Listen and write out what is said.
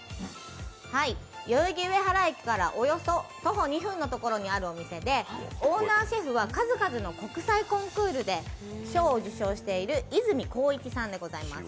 代々木上原駅からおよそ徒歩２分のところにあるお店で、オーナーシェフは数々の国際コンクールで賞を受賞している和泉光一さんでございます。